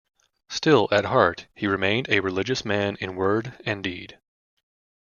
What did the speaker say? Still, at heart, he remained a religious man in word and deed.